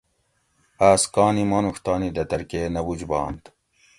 آس کانی مانوڄ تانی دۤتر کے نہ بُج بانت